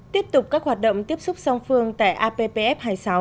tiếp tục các hoạt động tiếp xúc song phương tại appf hai mươi sáu